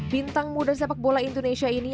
bintang muda sepak bola indonesia ini